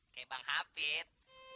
oke bang hafit